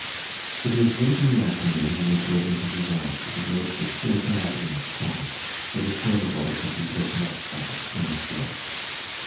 It was late in the afternoon when they drove into the yard, for the roads were still bad in the swamp, where the corduroy had been broken up by the spring floods.